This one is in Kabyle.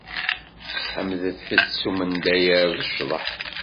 Ḥemdet- t s umendayer d ccḍeḥ!